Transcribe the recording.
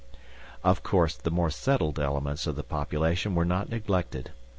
Of course the more settled elements of the population were not neglected.